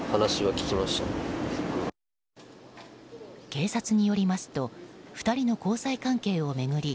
警察によりますと２人の交際関係を巡り